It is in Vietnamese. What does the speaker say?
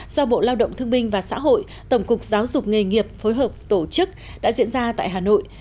do bộ lao động thương binh và xã hội tổng cục giáo dục nghề nghiệp phối hợp tổ chức đã diễn ra tại hà nội